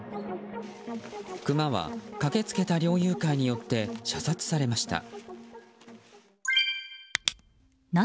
クマは駆けつけた猟友会によって射殺されました。